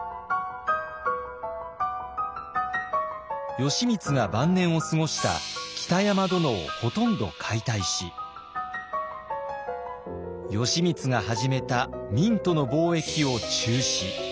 義満が晩年を過ごした北山殿をほとんど解体し義満が始めた明との貿易を中止。